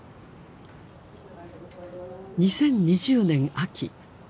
２０２０年秋。